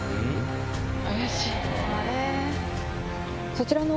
そちらの。